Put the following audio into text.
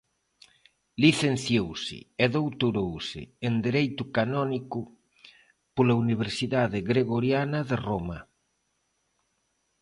Licenciouse e doutorouse en Dereito Canónico pola Universidade Gregoriana de Roma.